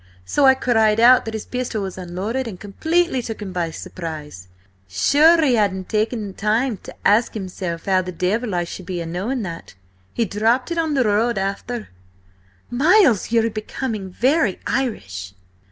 So I cried out that his pistol was unloaded, and completely took him by surprise! Sure he hadn't time to ask himself how the devil I should be knowing that! He dropped it on the road. Afther—" "Miles, you are becoming very Irish!"